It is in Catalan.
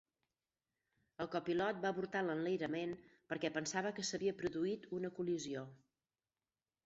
El copilot va avortar l'enlairament perquè pensava que s'havia produït una col·lisió.